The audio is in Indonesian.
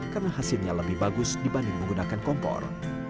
karena hasilnya lebih bagus dibanding menggunakan kompor